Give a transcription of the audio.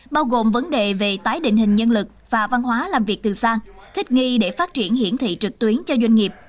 bao gồm vấn đề về tái định hình nhân lực và văn hóa làm việc từ xa thích nghi để phát triển hiển thị trực tuyến cho doanh nghiệp